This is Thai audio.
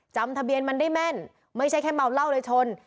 จำทะเบียนมันได้แม่นไม่ใช่แค่เมาเหล้าเลยชน